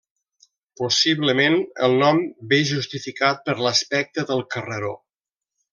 Possiblement el nom ve justificat per l'aspecte del carreró.